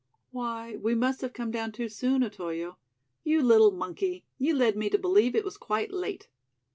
"Why, we must have come down too soon, Otoyo. You little monkey, you led me to believe it was quite late."